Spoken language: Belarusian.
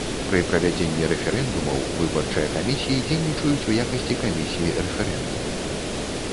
Пры правядзенні рэферэндумаў выбарчыя камісіі дзейнічаюць у якасці камісій рэферэндуму.